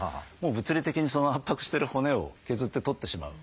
物理的に圧迫してる骨を削って取ってしまう。